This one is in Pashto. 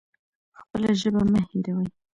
خپله ژبه مه هیروئ